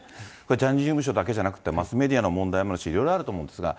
ジャニーズ事務所だけじゃなくて、マスメディアの問題もあるし、いろいろあると思うんですが。